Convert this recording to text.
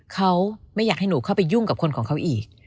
เขาไม่อยากให้หนูเข้าไปยุ่งกับคนของเขาอีก